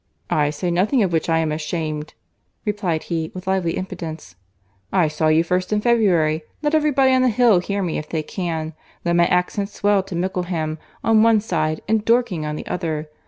"I say nothing of which I am ashamed," replied he, with lively impudence. "I saw you first in February. Let every body on the Hill hear me if they can. Let my accents swell to Mickleham on one side, and Dorking on the other.